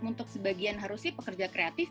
untuk sebagian harusnya pekerja kreatif